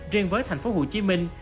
riêng với thành phố hồ chí minh